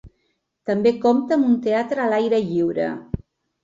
També compta amb un teatre a l'aire lliure.